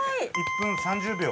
１分３０秒。